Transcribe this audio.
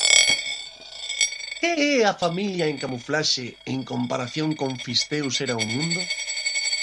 Que é a familia en Camuflaxe en comparación con Fisteus era un mundo?